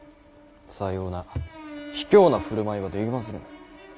さような卑怯な振る舞いはできませぬ。